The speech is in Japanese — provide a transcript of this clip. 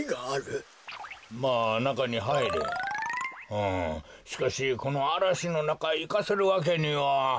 うんしかしこのあらしのなかいかせるわけには。